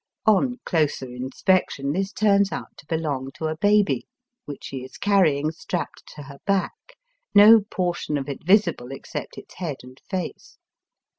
On closer inspection this turns out to belong to a baby, which she is carrying strapped to her back, no portion of it visible except its head and face.